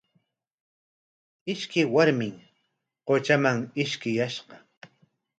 Ishkay warmim qutraman ishkiyashqa.